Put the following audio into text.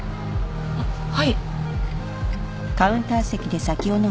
あっはい